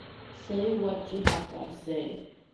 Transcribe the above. Say what you have got to say!